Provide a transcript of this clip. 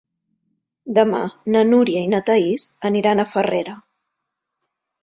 Demà na Núria i na Thaís aniran a Farrera.